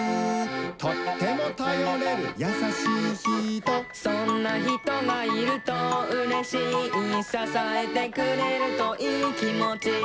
「とってもたよれるやさしいひと」「そんなひとがいるとうれしい」「ささえてくれるといいきもち」